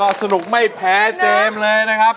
ก็สนุกไม่แพ้เจมส์เลยนะครับ